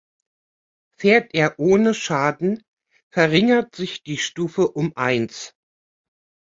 Fährt er ohne Schaden, verringert sich die Stufe um eins.